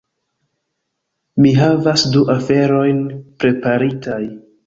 mi havas du aferojn preparitaj